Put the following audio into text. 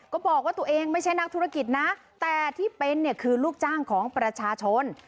ก็บอกว่าตัวเองไม่ใช่นักธุรกิจนะแต่ที่เป็นเนี่ยคือลูกจ้างของประชาชน